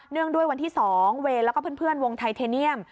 ด้วยวันที่๒เวย์แล้วก็เพื่อนวงไทเทเนียม